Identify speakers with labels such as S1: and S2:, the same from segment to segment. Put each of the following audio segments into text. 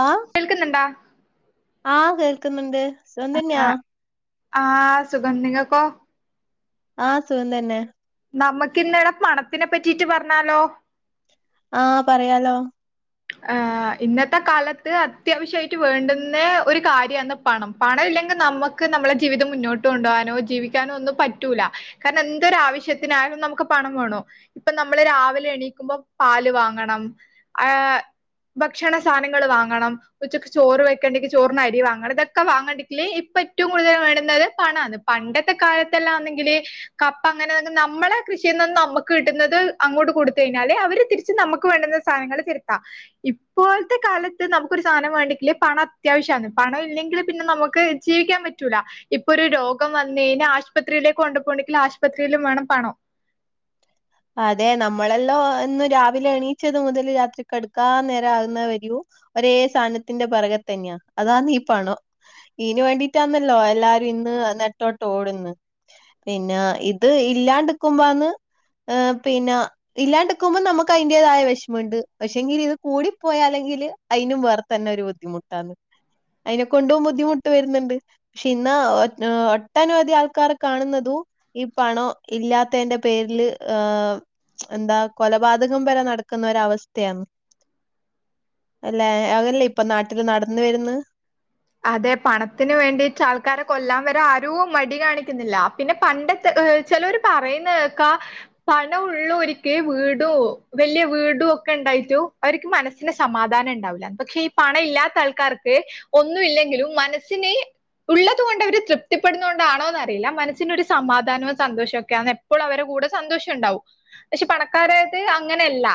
S1: ആഹ്
S2: കേൾക്കുന്നുണ്ട
S1: ആഹ് കേൾക്കുന്നുണ്ട് സുഖം തന്നെയാ
S2: ആഹ് സുഖം. നിങ്ങക്കോ?
S1: ആഹ് സുഖം തന്നെ
S2: നമുക്ക് ഇന്ന് ഇട പണത്തിനെ പറ്റിട്ട് പറഞ്ഞാലോ?
S1: ആഹ് പറയാലോ
S2: ആഹ് ഇന്നത്തെ കാലത്ത് അത്യാവശ്യമായിട്ട് വേണ്ടുന്ന ഒരു കാര്യാണ് പണം പണം ഇല്ലെങ്കിൽ നമു ക്ക് നമ്മളുടെ ജീവിതം മുന്നോട്ട് കൊണ്ടുപോകാനോ ജീവിക്കാനോ ഒന്നും പറ്റൂല കാരണം എന്തൊര ആവശ്യത്തിനായാലും നമുക്ക് പണം വേണോ ഇപ്പൊ നമ്മള് രാവിലെ എണീക്കുമ്പോ പാല് വാങ്ങണം ആഹ് ഭക്ഷണ സാധനങ്ങള് വാങ്ങണം ഉച്ചക്ക് ചോറ് വെക്കണ്ടെങ്കിൽ ചോറിനരി വാങ്ങണം ഇതൊക്കെ വാങ്ങണണ്ടെങ്കില് ഇപ്പൊ ഏറ്റവും കൂടുതൽ വേണുന്നത് പണാണ് പണ്ടത്തെ കാലത്തെല്ലാം ആന്നെങ്കില് കപ്പ അങ്ങനെ നമ്മളെ കൃഷിൽ നിന്നന്ന് നമ്മുക്ക് കിട്ടുന്നത് അങ്ങോട്ട് കൊടുത്ത് കഴിഞ്ഞാല് അവര് തിരിച്ച് നമുക്ക് വേണ്ട സാനങ്ങൾ തിരുത്താം ഇപ്പോഴത്തെ കാലത്ത് നമുക്കൊരു സാധനം വേണ്ടെങ്കില് പണം അത്യാവശ്യമാണ് പണം ഇല്ലെങ്കിൽ പിന്നെ നമുക്ക് ജീവിക്കാൻ പറ്റൂല ഇപ്പൊ ഒരു രോഗം വന്നയ്ഞ ആശുപത്രിയിലേക്ക് കൊണ്ടു പോകണണ്ടെങ്കിൽ ആശുപത്രിയിലും വേണം പണം
S1: അതെ നമ്മളല്ലോ ഇന്ന് രാവിലെ എണീച്ചത് മുതൽ രാത്രിക്കെടുക്കാൻ നേരം ആകുന്ന വരൂയും ഒരേ സാധനത്തിന്റെ പൊറകെ തന്നെയാ അതാനീ പണോ ഇന് വേണ്ടിട്ടാന്നല്ലോ എല്ലാരും ഇന്ന് നെട്ടോട്ട് ഓടുന്ന് പിന്നെ ഇത് ഇല്ലാണ്ട്ക്കുമ്പോവാന്ന് ഏഹ് പിന്നെ ഇല്ലാണ്ട്ക്കുമ്പോ നമുക്ക് അതിന്റേതായ വിഷമുണ്ട് പക്ഷെ എങ്കിൽ ഇത് കൂടിപ്പോയ അല്ലെങ്കില് അതിനും വേറെ തന്നെ ഒരു ബുദ്ധിമുട്ടാന്ന് അതിനെകൊണ്ടും ബുദ്ധിമുട്ട് വരുന്നുണ്ട് പക്ഷെ ഇന്ന് ഒ ഒട്ടനവധി ആൾക്കാർ കാണുന്നതു ഈ പണം ഇല്ലാതേന്റെ പേരില് ഏഹ് എന്താ കൊലപാതകം വരെ നടക്കുന്ന ഒരവസ്ഥയാണ് അല്ലേ അങ്ങനല്ലേ ഇപ്പൊ നാട്ടില് നടന്ന വരന്ന്?
S2: അതെ പണത്തിന് വേണ്ടിട്ട് ആൾക്കാരെ കൊല്ലാൻ വരാ ആരു മടി കാണിക്കുന്നില്ല പിന്നെ പണ്ടത്തെ ഹ് ചിലവർ പറയുന്നേക്കാ പണം ഉള്ള ഒര്ക്ക് വീടോ വലിയ വീടു ഒക്കെ ഉണ്ടായിട്ടോ അവർക്ക് മനസ് സ്സിന് സമാധാനം ഉണ്ടാവില്ല പക്ഷെ ഈ പണം ഇല്ലാത്ത ആൾക്കാർക്ക് ഒന്നും ഇല്ലെങ്കിലും മനസ്സിന് ഉള്ളതുകൊണ്ട് അവര് തൃപ്തിപ്പെടുന്നുക കൊണ്ടാണോന്ന് അറിയില്ല മനസ്സിനൊരു സമാധാനവും സന്തോഷൊക്കെയാണ് എപ്പളും അവരെ കൂടെ സന്തോഷം ഉണ്ടാവും പക്ഷെ പണക്കാരായത് അങ്ങനെയല്ല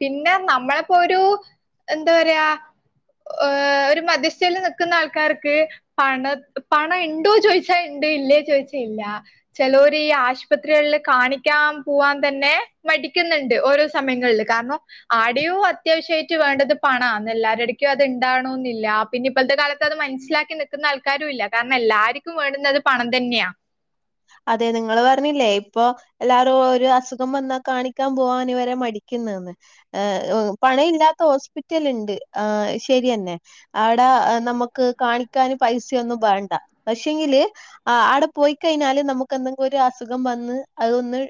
S2: പിന്നെ നമ്മളിപ്പോ ഒരൂ എന്താ പറയാ ഏഹ ഒരു മധ്യസ്ഥൽ നിൽക്കുന്ന ആൾക്കാർക്ക് പണ പണ ഇണ്ടോ ചോയിച്ചാ ഇണ്ടോ ഇല്ലേ ചോയിച്ചാ ഇല്ല ചേലോർ ഈ ആശുപത്രികളിൽ കാണിക്കാൻ പോവാൻ തന്നെ മടിക്കുന്നുണ്ട് ഓരോ സമയങ്ങളില് കാരണം [unintelligible] ആ അത്യാവശ്യമായിട്ട് വേണ്ടത് പണം എന്നൺന്ന് എല്ലാരുടെടയ്ക്കും അത് ഇണ്ടാവണ എന്നില്ല പിന്നെ ഇപ്പോഴത്തെ കാലത്ത് അത് മനസ്സിലാക്കി നിൽക്കുന്ന ആൾക്കാരും ഇല്ല കാരണം എല്ലാർക്കും വേടുന്നത്ത് പണം തന്നെയാ
S1: അതെ തെ നിങ്ങള്ൾ പറഞ്ഞില്ലേ ഇപ്പൊ എല്ലാരും ഒരു അസുഖം വന്നാൽ കാണിക്കാൻ പോവാൻ ഇവരെ മടിക്കുന്നന്ന് പണ ഇല്ലാത്ത ഹോസ്പിറ്റല ഉണ്ട് ആ ശരിയെന്നെ അവിടെ നമുക്ക് കാണിക്കാന് പൈസൊന്നും വേണ്ട പക്ഷെങ്കില് ആ ആവടെ പോയി കഴിഞ്ഞാല് നമുക്ക് എന്തെങ്കിലും ഒരു അസുഖം വന്ന് അതൊന്ന്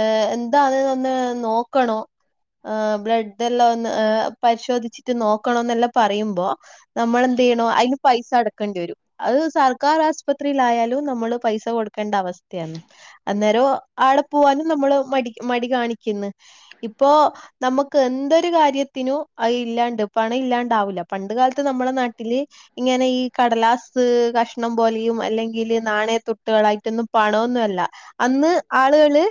S1: ഏഹ്ഹ എന്താന്ന് ഒന്ന് നോക്കണോ ആ്ഹഹ ബ്ലഡ് എല്ലാം ഒന്ന് പരിശോധിച്ചിട്ട് നോക്കണം എന്നെല്ലാം പറയുമ്പോ നമ്മൾെന്ത് ചെയ്യണോ അതിന് പൈസ അടക്കേണ്ടി വരും അഹ് സർക്കാർ ആശുപ്രതിലായാലും നമ്മള് പൈസ കൊടുക്കേണ്ട അവസ്ഥയാണ് അന്നേരം ആടെ പോവാനും നമ്മള് മടി കാണിക്കുന്ന് ഇപ്പോ നമുക്ക് എന്തൊരു കാര്യത്തിനും അഹ്ല്ലാണ്ട് പണം ഇല്ലാണ്ടാവൂല്ല പണ്ട് കാലത്ത് നമ്മളെ നാട്ടില് ഇങ്ങനെ ഈ കടലാസ് കഷ ഷ്ണം പോലെയും അല്ലെങ്കിൽ നാണയത്തൊട്ടുകളായിട്ടൊന്നും പണമൊന്നുമല്ല അന്ന് ആളുകള്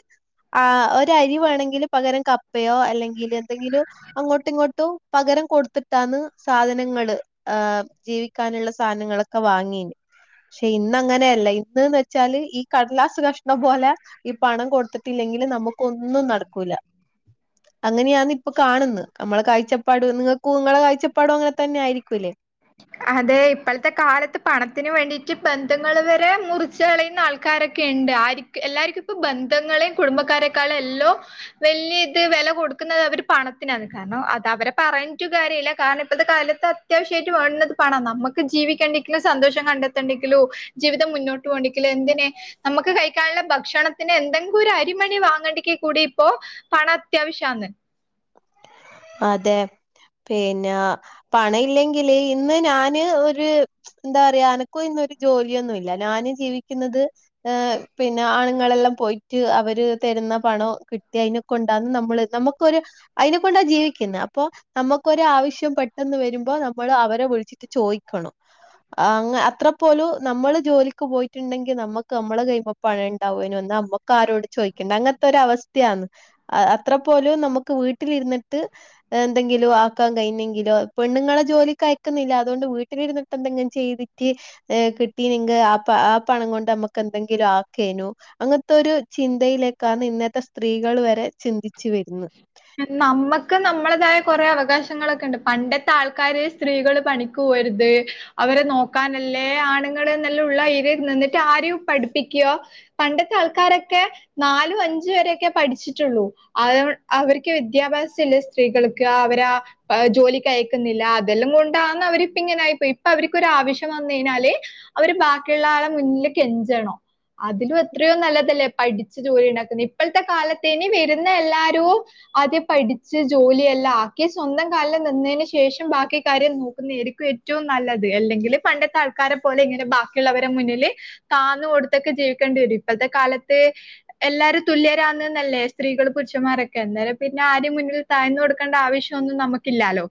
S1: ആ ഒരു അരി വേണമെങ്കിൽ പകരം കപ്പയോ അല്ലെങ്കിൽ എന്തെങ്കിലും അങ്ങോട്ടം ഇങ്ങോട്ടും പകരം കൊടുത്തിട്ടന്ന് സാധനങ്ങള് ആഹ ജീവിക്കാനുള്ള സാധനങ്ങളൊക്കെ വാങ്ങീന് പക്ഷെ ഇന്ന് അങ്ങനെയല്ല ഇന്ന് വ വെച്ചാല് ഈ കടലാസ് കഷ്ണം പോലെ ഈ പണം കൊടുത്തിടില്ലെക്കിൽ നമുക്ക് ഒന്നും നടക്കൂല
S2: [unintelligible] [inaudible]
S1: അങ്ങനെയാാണ് ഇപ്പൊ കാണുന്നത് നമ്മളെ കാഴ്ചപ്പാട് നിങ്ങൾക്കും നിങ്ങളെ കാഴ്ചപ്പാടും അങ്ങനെ തന്നെ ആയിരിക്കുംല്ലേ
S2: ഉ [unintelligible] [inaudible] അത് ഇപ്പോഴത്തെ കാലത്ത് പണത്തിന് വേണ്ടിട്ട് ബന്ധങ്ങൾ വരെ മുറിച്ച് കളയുന്ന ആൾക്കാരൊക്കെ ഉണ്ട് ആരിക്കും എല്ലാർക്കും ഇപ്പം ബന്ധങ്ങളെയും കുടുംബക്കാരെക്കാളും എല്ലോ വലിയ ഇത് വില കൊടുക്കുന്നത് അവര് പണത്തിനാണ് കാരണം അത് അവരെ പറഞ്ഞട്ടു കാര്യല്ല കാരണം ഇപ്പഴത്തെ കാലത്ത് അത്യാവശ്യമായിട്ട് വേണുന്നത് പണം നമ്മുക്ക് ജീവിക്കേണ്ടെങ്കിലും സന്തോഷം കണ്ടെത്തേണ്ടെങ്കിലോ ജീവിതം മുന്നോട്ട് പോണ്ടിക്കിൽ എന്തിന് നമുക്ക് കഴിക്കാനുള്ള ഭക്ഷണത്തിന് എന്തെങ്കിലും ഒരു അരിമണി വാങ്ങണ്ടെങ്ക കൂടി ഇപ്പൊ പണം അത്യാവശ്യന്ന്
S1: അതെ പിന്നെ പണ ഇല്ലെങ്കില് ഇന്ന് ഞാന് ഒരു എന്താ പറയാ എനക്കും ഇന്നൊരു ജോലിയൊന്നും ഇല്ല ഞാന് ജീവിക്കുന്നത് ഏഹഹ പിന്നെ ആണുങ്ങളെല്ലാം പോയിട്ട് അവര് തരുന്ന പണം കിട്ടി കൊണ്ടന്ന് നമ്മള് നമുക്കൊരു അയിന കൊണ്ടാ ജീവിക്കുന്നത് അപ്പൊ നമുക്ക് ഒരു ആവശ്യം പെട്ടെന്ന് വരുമ്പോ നമ്മൾ അവരെ വിളിച്ച ചോയിക്കണം ആഹ അത്ര പോലും നമ്മള് ജോലിക്ക് പോയിട്ടുണ്ടെങ്കിൽ നമ്മുക്ക് നമ്മള് കയ്യിമാ പണം ഉണ്ടാവന്ന് അമ്മക്ക് ആരോടും ചോദിക്കണ്ട അങ്ങനത്തെ ഒരു അവസ്ഥയാണ് അ അത്ര പോലും നമുക്ക് വീട്ടിലിരുന്നിട്ട് എെന്തങ്കിലും ആക്കാൻ കഴിഞ്ഞെങ്കിലോ പെണ്ണുങ്ങളെ ജോലിക്ക് അയക്കുന്നില്ല അതുകൊണ്ട് വീട്ടിലിരു എന്തെങ്കിലും ചെയ്തിട്ട് കിട്ടി നിങ്ക ആ പണം കൊണ്ട് നമ്മുക്ക് എന്തെങ്കിലും ആക്കേനോ അങ്ങനത്തെ ഒരു ചിന്തയിലേക്കാണ് ഇന്നത്തെ സ്ത്രീകൾ വരെ ചിന്തിച്ചു വരുന്ന്
S2: നമ്മുക്ക് നമ്മളേതായ കൊറേ അവകാശങ്ങളൊക്കെ ഉണ്ട് പണ്ടത്തെ ആൾക്കാര് സ്ത്രീകൾ പണി കുവരുത് അവരെ നോക്കാനല്ലേ ആണുങ്ങൾ എന്ന് ഉള്ള ഇതായിന്ന് നിന്നിട്ട് ആരും പഠിപ്പിക്ക പണ്ടത്തെ ആൾക്കാരൊക്കെ നാലും അഞ്ച വരെയൊക്കെ പഠിച്ചിട്ടുള്ളൂ അത് അവർക്ക് വിദ്യാഭ്യാസം ഇല്ല സ്ത്രീകൾക്ക് അവരാ ജോലിക്കയാക്കുന്നില്ല അതെല്ലാം കൊണ്ടാന്ന് അവരിപ്പ ഇങ്ങനായിപ്പോയി ഇപ്പോ അവരിക്കോരവശ്യം വന്ന് കഴിഞ്ഞാല് അവര് ബാക്കിയുള്ള ആളെ മുന്നില് കെഞ്ചണോ അതിലും എത്രയോ നല്ലതല്ലേ പഠിച്ചു ജോലിണ്ടാക്കുന്നെ ഇപ്പോത്തെ കാലത്തേനി വരു ന്നാ എല്ലാരു ആദ്യ പഠിച്ച് ജോലിയെല്ലാം ആക്കി സ്വന്തം കാലം നിന്നെന് ശേഷം ബാക്കി കാര്യം നോക്കുന്ന എരിക്കും ഏ റ്റോം നല്ലത് അല്ലെങ്കില് പണ്ടത്തെ ആൾക്കാരെ പോലെ ഇങ്ങനെ ബാക്കിള്ളവരെ മുന്നില് താന്നു കൊടുത്തൊക്കെ ജീവിക്കേണ്ടി വരും ഇപ്പത്തെ കാലത്ത് എല്ലാരും തുല്യരാന്നന്നല്ലേ സ്ത്രീകള് പുരുഷന്മാരൊക്കെ അന്നേരം പിന്നെ ആരേം മുന്നിൽ താഴ്ന്ന് കൊടുക്കേണ്ട ആവശ്യം ഒന്നും നമുക്കില്ലാലോ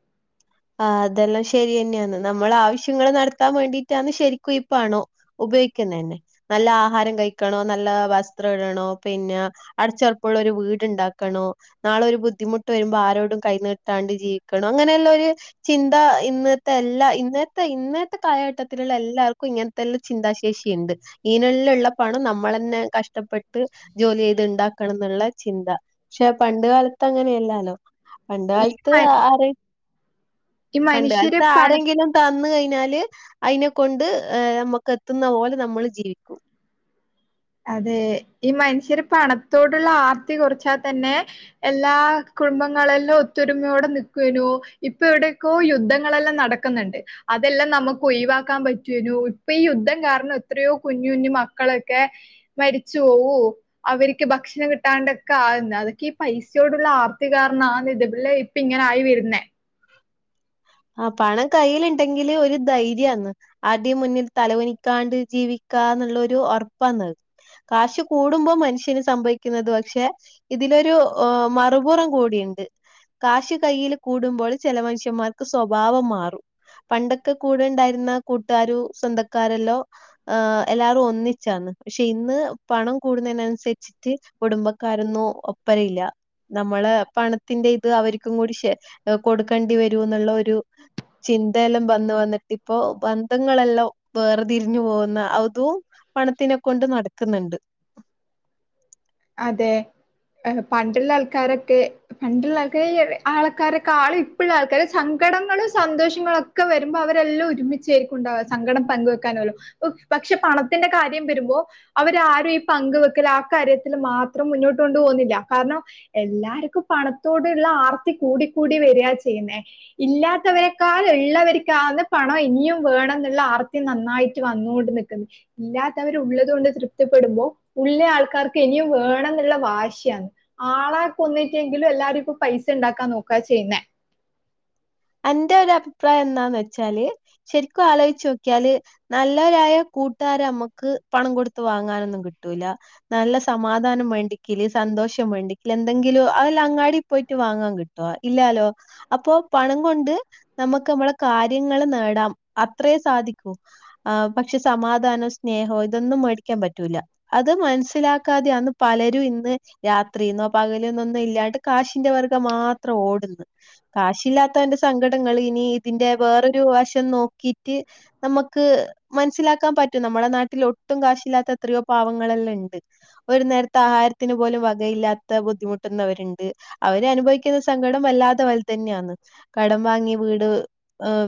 S1: ആഹ് അതെല്ലാം ശെരിയാന്നെയാന്ന് നമ്മളെ ആവശ്യങ്ങള് നടത്താൻ വേണ്ടിട്ടാന്ന് ശെരിക്കും ഈ പ്പാണോ ഉപയോഗിക്കുന്നന്നെ നല്ല ആഹാരം കഴിക്കണോ നല്ല വസ്ത്രം ഇടണോ പിന്നെ അടച്ചോറപ്പോള്ളോരു വീട്ണ്ടാക്കണോ നാളെ ഒരു ബുദ്ധിമുട്ട് വരുമ്പോ ആരോടും കൈനീട്ടാണ്ട് ജീവിക്കണം അങ്ങനെയുള്ളോരു ചിന്ത ഇന്നത്തെ എല്ലാ ഇന്നത്തെ ഇന്നത്തെ കാലഘട്ടത്തിലുള്ള എല്ലാർക്കും ഇങ്ങനെ ത്തെല്ല ചിന്താശേഷിയ്ണ്ട് ഈനെല്ലള്ള പണം നമ്മളന്നെ കഷ്ടപ്പെട്ട് ജോലി ചെയ്ത് ഇണ്ടാക്കണം എന്നുള്ള ചിന്ത പഷേ പണ്ട് കാലത്ത് അങ്ങനെയല്ലാലോ പണ്ട്
S2: ഈ
S1: കാലത്ത്
S2: മ-
S1: ആരെ
S2: ഈ മനുഷ്യര്
S1: പണ്ട്ക്കാലത്ത്
S2: പണ
S1: ആരെങ്കിലും തന്ന് കഴിഞ്ഞാല് അയിനെകൊണ്ട് ഏഹ് നമുക്ക് എത്തുന്ന പോലെ നമ്മള് ജീവിക്കും
S2: അതെ ഈ മനുഷ്യര് പണത്തോടുള്ള ആർത്തി കുറച്ചാത്തന്നെ എല്ലാ കുടുംബങ്ങളെല്ലാം ഒത്തൊരുമയോടെ നിക്കുനു ഇപ്പോ ഇവിടെയൊക്കോ യുദ്ധങ്ങളെല്ലാം നട ക്ക്ന്ന്ണ്ട് അതെല്ലാം നമുക്ക് ഒയിവാക്കാൻ പറ്റുവേനു ഇപ്പ ഈ യുദ്ധം കാരണം എത്രയോ കുഞ്ഞുഞ്ഞ് മക്കളൊക്കെ മരിച്ചു പോവു അവരിക്ക് ഭക്ഷണം കിട്ടാണ്ടൊക്കെ ആക്ന്ന് അതൊക്കെ ഈ പൈസയോടുള്ള ആർത്തി കാരണാ ഇത് [unintelligible] പ്പിങ്ങനായി വരുന്നേ
S1: ആഹ് പണം കയില്ണ്ടെങ്കില് ഒരു ധൈര്യന്ന് ആര്ടേം മുന്നിൽ തലക്കുനിക്കാണ്ട് ജീവിക്കാ എന്നുള്ളൊരു ഒറപ്പാന്ന് കാശ് കൂടുമ്പോ മനുഷ്യന് സംഭവിക്കുന്നത് പക്ഷേ ഇതിലൊരു ഏഹ് മറുപുറം കൂടിയ്ണ്ട് കാശ് കൈയില് കൂടുമ്പോൾ ചെല മനുഷ്യന്മാർക്ക് സ്വബാവം മാറും പണ്ടൊക്കെ കൂടെണ്ടാരുന്ന കൂട്ടുകാരു സ്വന്തക്കാരല്ലോ ആഹ് എല്ലാറോ ഒന്നിച്ചാന്ന് പക്ഷേ ഇന്ന് പണം കൂടുന്നെന് അനുസരിച്ച് കുടുംബക്കാരൊന്നും ഒപ്പരെയില്ല നമ്മള് പണത്തിന്റെ ഇത് അവരിക്കും കൂടി ഷേ കൊടുക്കേണ്ടി വരൂ എന്നുള്ള ഒരു ചിന്തയെല്ലാം വന്ന് വന്നിട്ടിപ്പോ ബന്ധങ്ങളെല്ലോം വേറെതിരിഞ്ഞു പോകുന്ന അതും പണത്തിനെ കൊണ്ട് നടക്ക്ന്ന്ണ്ട്
S2: അതെ പണ്ടുള്ള ആൾക്കാരൊക്കെ പണ്ടുള്ളക്കെ ഈ ആൾക്കാരൊക്കെ ആളും ഇപ്പ ആൾക്കാര് സങ്കടങ്ങളും സന്തോഷങ്ങളു ക്കാ വരുമ്പോ അവരെല്ലാം ഒരുമിച്ചാരിക്കുണ്ടാവ സങ്കടം പങ്കുവെക്കാനോലോ പക്ഷേ പണത്തിന്റെ കാര്യം വരുമ്പോ അവരരും ഈ പങ്ക് വെക്കൽ ആ കാര്യത്തി ത്തില് മാത്രം മുന്നോട്ട് കൊണ്ട് പോകുന്നില്ല കാരണം എല്ലാർക്കും പണത്തോടുള്ള ആർത്തി കൂടി കൂടി വരാ ചെയ്യുന്നേ ഇല്ലാത്തവരെക്കാൾ ഇള്ളവർക്കാന്ന് പണം ഇനിയും വേണം ന്നുള്ള ആർത്തി നന്നായി ട്ട് വന്നോണ്ട് നിക്കുന്നെ ഇല്ലാത്തവര് ഉള്ളതു കൊണ്ട് തൃപ്തിപ്പെടുമ്പോ ഉള്ള ആൾക്കാർ ക്കിനിയും വേണം ന്നുള്ള വാശിയാന്ന്. ആള കൊന്നിട്ടെങ്കിലും എല്ലാരും ഇപ്പ പൈസ ഇണ്ടാക്കാൻ നോക്കാ ചെയ്യുന്നേ
S1: അന്റെ ഒരു അഭിപ്രായം എന്താന്ന് വെച്ചാല് ശെരിക്കും ആലോച്ചോക്കിയാല് നല്ലവരായ കൂട്ടുകാരെ അമ്മക്ക് പണം കൊടുത്ത് വാങ്ങാനൊന്നും കിട്ടൂല്ല നല്ല സമാധാനം വേണ്ടിക്ക്ല് സന്തോഷം വേണ്ടിക്ക്ല എന്തെങ്കിലും അതെല്ലാം അങ്ങാടി പോയിട്ട് വാങ്ങാൻ കിട്ടോ ഇല്ലാലോ അപ്പൊ പണം ണ്ട് നമ്മക്ക് നമ്മളെ കാര്യങ്ങൾ നേടാം അത്രയേ സാധിക്കൂ ആ പക്ഷെ സമാധാനം സ്നേഹോ ഇതൊന്നും മേടിക്കാൻ പറ്റൂല അത് മനസ്സിലാക്കാതെയാന്ന് പലരും ഇന്ന് രാത്രിന്നോ പകല്ന്നോ ഒന്നും ഇല്ലാണ്ട് കാശി ന്റെ വർഗ മാത്രം ഓടുന്നു കാശില്ലാത്തവന്റെ സങ്കടങ്ങൾ ഇനി ഇതിന്റെ വേറൊരു വശം നോക്കിട്ട് നമ്മുക്ക് മനസ്സിലാക്കാൻ പറ്റും നമ്മളെ നാട്ടിൽ ഒട്ടും കാശില്ലാത്ത എത്രയോ പാവങ്ങളെല്ലാം ഉണ്ട് ഒരു നേരത്തെ ആഹാരത്തിന് പോലും വകയില്ലാത്ത ബുദ്ധിമുട്ടുന്നവരുണ്ട് അവര് അനുഭവിക്കുന്ന സങ്കടം വല്ലാതെ വല്തന്നെയാണ് കടം വാങ്ങിയ വീട്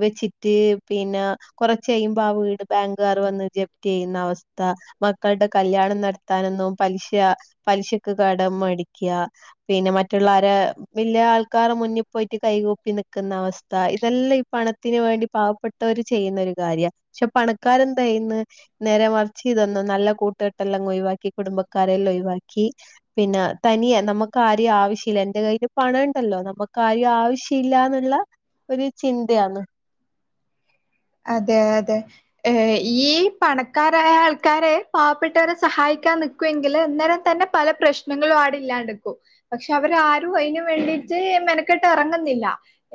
S1: വെച്ചിട്ട് പിന്നെ കൊറച്ച് കഴിയുമ്പോ ആ വീട് ബാങ്കുകാർ വന്ന് ജപ്റ്റി ചെയ്യുന്ന അവസ്ഥ മക്കൾടെ കല്യാണം നട്ത്താനൊന്നും പലിശ പലിശക്ക് കടം മേടിക്ക പിന്നെ മറ്റുള്ളാര് വല്യ ആൾക്കാരെ മുന്നി പോയിട്ട് കൈ കൂ പ്പി നിക്കുന്ന അവസ്ഥ ഇതെല്ല ഈ പണത്തിന് വേണ്ടി പാവപ്പെട്ടവര് ചെയ്യുന്ന ഒരു കാര്യ പക്ഷെ പണക്കാരെന്തേയ്യ്ന്ന് നേരെ മറിച്ച് ഇതൊന്നും നല്ല കൂട്ടുകെട്ടെല്ലങ് ഒഴിവാക്കി കുടുംബക്കാരെല്ല ഒഴിവാക്കി പിന്നെ തനിയെ നമുക്ക് ആരേ ആവശ്യല്ല എന്റെ കയ്യില് പണണ്ടല്ലോ നമുക്ക് ആരേ ആവശ്യ ഇല്ലാ എന്ന്ള്ള ഒരു ചിന്തയാണ്
S2: അതെ അതെ ഏ ഈ പണക്കാരായ ആൾക്കാരെ പാവപ്പെട്ടവരെ സഹായിക്കാൻ നി ക്കുവെങ്കില് അന്നേരം തന്നെ പല പ്രശ്നങ്ങളും ആടെ ഇല്ലാണ്ടക്കും പക്ഷെ അവരാരും അഴിന് വേണ്ടിട്ട് മെനക്കെട്ട് എറങ്ങുന്നില്ല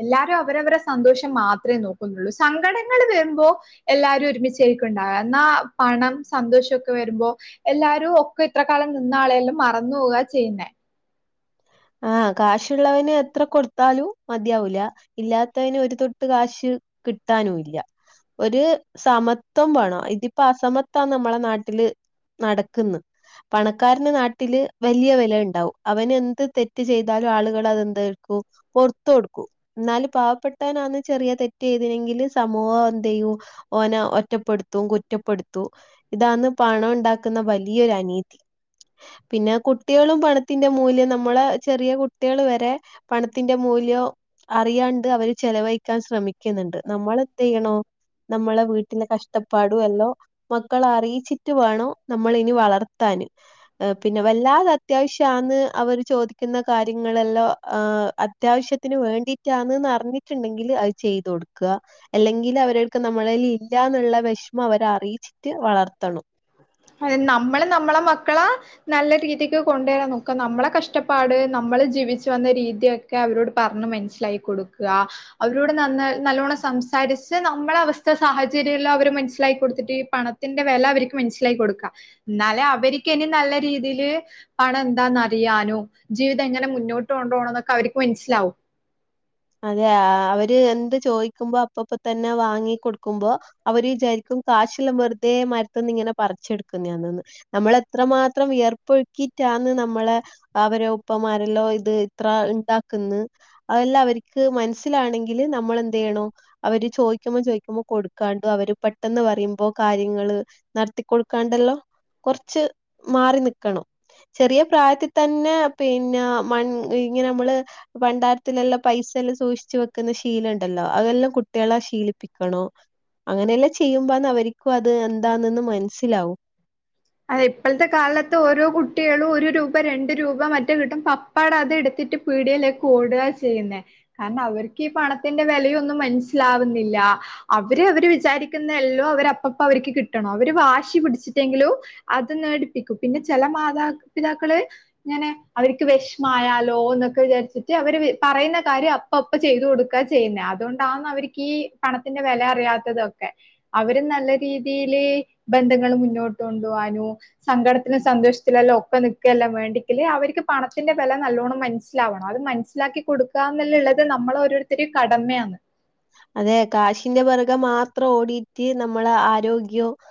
S2: എല്ലാരു അവരവരെ സന്തോഷം മാത്രേ നോക്കുന്നുള്ളൂ സങ്കടങ്ങള് വരുമ്പോ എല്ലാരും ഒരുമിച്ചേക്കുണ്ടാവ എന്നാ പണം സന്തോഷക്ക വരുമ്പോ എല്ലാരും ഒക്കെ ഇത്ര കാലം നിന്ന ആളെയെല്ലും മറന്ന് പോവ ചെയ്യുന്നേ
S1: ആ കാശുള്ളവന് എത്ര കൊടുത്താലും മതിയാവൂല ഇല്ലാത്തവന് ഒരു തുട്ട് കാശ് കിട്ടാനും ഇല്ല ഒരു സമത്വം വാണം ഇതിപ്പോ അസമത്വാന്ന് നമ്മളെ നാട്ടില് നടക്ക്ന്ന് പണക്കാരന് നാട്ടില് വല്ല്യ വെല ഉണ്ടാവും അവന് എന്ത് തെറ്റ് ചെയ്താലും ആളുകള് അതെന്തരിക്കും പൊർത്ത് കൊടുക്കും ന്നാല് പാവപ്പെട്ടവനാന്ന് ചെറിയ തെറ്റ് ചെയ്തിനെങ്കില് സമൂഹം എന്ത് ചെയ്യും ഓനെ ഒറ്റപ്പെടുത്തും കുറ്റപ്പെടുത്തും ഇതാണ് പണം ഉണ്ടാക്കുന്ന വലിയൊരു അനീതി പിന്നെ കുട്ടികളും പണത്തിന്റെ മൂല്യം ന നമ്മളെ ചെറിയ കുട്ടികള് വരെ പണത്തിന്റെ മൂല്യം അറിയാണ്ട് അവര് ചെലവഴിക്കാൻ ശ്രമിക്കുന്നുണ്ട് നമ്മള് എന്ത് ചെയ്യണോ നമ്മളെ വീട്ടിലെ കഷ്ടപ്പാടു എല്ലോ മക്കള അറിയിച്ചിട്ട് വേണം നമ്മള് ഇനി വളർത്താന് പിന്നെ വല്ലാതെ അത്യാവശ്യാന്ന് അവര് ചോദിക്കുന്ന കാര്യങ്ങളെല്ലോ ആ അത്യാവശ്യത്തിന് വേണ്ടിട്ടാന്ന് അറിഞ്ഞിട്ടുണ്ടെങ്കില് അത് ചെയ്ത് കൊടു ക്ക അല്ലെങ്കില് അവരർക്ക് നമ്മളേല് ഇല്ലാന്ന്ള്ള വേശ്മം അവരെ അറിയിച്ചിട്ട് വളർത്തണം
S2: അതെ നമ്മള് നമ്മള മക്കളെ നല്ല രീതിക്ക് കൊണ്ടുവരാൻ നോക്കാ നമ്മളെ കഷ്ടപ്പാട് നമ്മള് ജീവിച് വന്ന രീതിയൊ ക്കെ അവരോട് പർഞ്ഞ് മനസ്സിലായി കൊടുക്ക അവരോട് നന്ന നല്ലോണം സംസാരിച്ച് നമ്മളെ അവസ്ഥ സാഹചര്യം എല്ലാം അവര് മൻസ്സിലാക്കി കൊടുത്തി റ്റ് പണത്തിന്റെ വെല അവര്ക്ക് മൻസ്സിലായി കൊടുക്കാ ന്നാലെ അവര്ക്ക്നി നല്ല രീതിയില് പണം എന്താന്നറിയാനും ജീവിതം എങ്ങനെ മുന്നോട്ട് കൊണ്ടുപോണംന്നൊക്കെ അവര്ക്ക് മൻസ്സിലാവും
S1: അതെ അവര് എന്ത് ചോയിക്കുമ്പോ അപ്പപ്പ തന്നെ വാങ്ങി ക്കൊട്ക്കുമ്പോ അവര് വിചാരിക്കും കാശല്ലാം വെർതെ മര്ത്ത്ന്ന് ഇങ്ങനെ പർച്ചെടുക്കുന്നെന്ന് നമ്മള് എത്രമാത്രം വിയർപ്പൊഴുക്കിയിട്ടാന്ന് നമ്മളെ അവരോ ഉപ്പമാരെല്ലോ ഇത് ഇത്ര ണ്ടാക്ക്ന്ന് അതെല്ലാം അവര്. ക്ക് മൻസ്സിലാണെങ്കില് നമ്മളെന്തെയ്യണൊ. അവര് ചോയ്ക്കുമ്പോ ചോയ്ക്കുമ്പോ കൊടുക്കാണ്ട് അവര് പെട്ടെന്ന് പറയുമ്പൊ കാര്യങ്ങള്. നട്ത്തി കൊടുക്കാണ്ടല്ലോ കൊർച്ച് മാറി നിക്കണം. ചെറിയ പ്രായത്തി തന്നെ പിന്നാ മൺ ഇങ്ങനെ മ്മള് പണ്ടാരത്തിലെല്ലാം. പൈസെല്ലം സൂക്ഷിച്ച് വെക്കുന്ന ശീലംണ്ടല്ലോ അതെല്ലാം കുട്ട്യളെ ശീലിപ്പിക്കണൊ. അങ്ങനെല്ലാ ചെയ്യുമ്പന്ന് അവര്ക്കു അത് എന്താന്നെന്ന് മൻസ്സിലാവൂ.
S2: അത ഇപ്പൾത്തെ കാലത്ത് ഓരോ കുട്ട്യളു ഒരു രൂപ രണ്ട് രൂപ മറ്റേ കിട്ടും പ പ്പാട അതെടുത്തിട്ട് പീട്യലേക്ക് ഓടാ ചെയ്യുന്നേ. കാരണം അവർക്കീ പണത്തിന്റെ വെലയൊന്നും മൻസ്സിലാവുന്നില്ല. അവര് അവര് വിചാരിക്കുന്ന എല്ലു അവര് അപ്പപ്പ അവർക്ക് കിട്ടണം അവര് വാശി പിടിച്ചിട്ടെങ്കിലു. അത് നേടിപ്പിക്കും പിന്നെ ചെല മാതാപിതാക്കള്. ങ്ങനെ അവര്ക്ക് വെശ്മായാലോ ന്നൊക്കെ വിചാരിച്ചിട്ട് അവര് വ് പറയുന്ന കാര്യം അപ് പ്പപ്പ ചെയ്തു കൊടുക്കാ ചെയ്യുന്നേ അതൊണ്ടാന്ന് അവര്ക്കീ പണത്തിന്റെ വെല അറിയാത്തതൊക്കെ. അവരും നല്ല രീതിയില് ബന്ധങ്ങൾ മുന്നോട്ട് കൊണ്ടു പോകാനു. സങ്കടത്തിലു സന്തോഷത്തിലെല്ലാം ഒക്കെ നിക്കെല്ല വേണ്ടെക്കില് അവര്ക്ക് പണത്തിന്റെ വെല നല്ലോണം മനസ്സിലാവണം അത് മനസ് സ്ലാക്കി കൊടുക്ക്വ ന്നല്ലള്ളത് നമ്മളോരോരുത്തരിം കടമയാന്ന്.
S1: അതെ കാശിന്റെ പൊറകെ മാത്രം ഓടീറ്റ് നമ്മളെ ആരോഗ്യൊ.